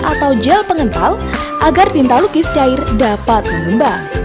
atau gel pengental agar tinta lukis cair dapat mengembang